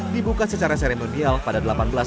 dibuka secara seremonial pada seribu delapan ratus tujuh puluh